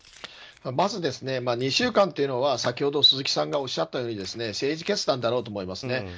まず、２週間というのは先ほど鈴木さんがおっしゃったように政治決断だろうと思います。